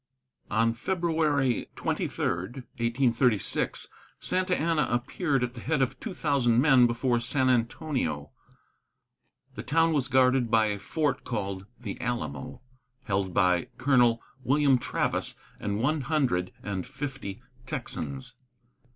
On February 23, 1836, Santa Anna appeared at the head of two thousand men before San Antonio. The town was guarded by a fort called the Alamo, held by Colonel William Travis and one hundred and fifty Texans.